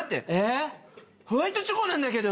ホワイトチョコなんだけど！